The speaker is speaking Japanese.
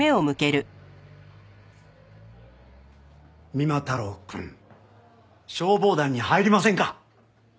三馬太郎くん消防団に入りませんか？